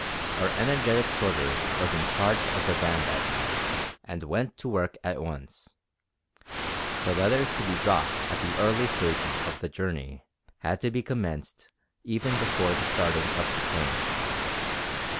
Our energetic sorter was in charge of the van that night, and went to work at once. The letters to be dropped at the early stages of the journey had to be commenced even before the starting of the train.